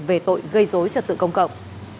về tội gây dối trật tự công cộng